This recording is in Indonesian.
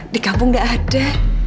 di kampung gak ada